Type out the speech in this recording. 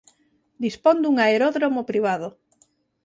Dispón dun aeródromo privado.